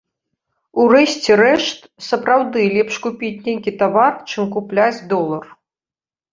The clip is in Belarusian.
У рэшце рэшт, сапраўды лепш купіць нейкі тавар, чым купляць долар.